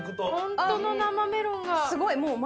ホントの生メロンが。